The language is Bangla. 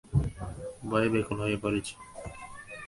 ভয়ে ব্যাকুল হয়ে পড়েছি।